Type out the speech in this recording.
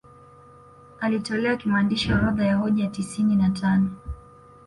Alitolea kimaandishi orodha ya hoja tisini na tano